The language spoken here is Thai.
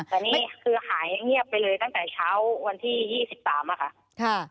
แต่นี่คือหายเงียบไปเลยตั้งแต่เช้าวันที่๒๓ค่ะ